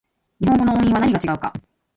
日本語の音韻は何が違うか